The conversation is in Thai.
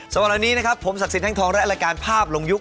สำหรับวันนี้นะครับผมศักดิ์สินแห่งทองและอัลการภาพลงยุค